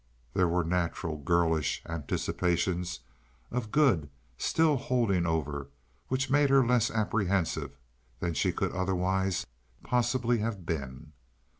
There were natural, girlish anticipations of good still holding over, which made her less apprehensive than she could otherwise possibly have been.